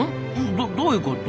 どどういうこと？